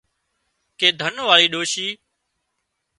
ڪي ڌن واۯي ڏوشي